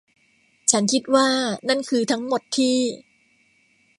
ฉันคิดว่านั่นคือทั้งหมดที่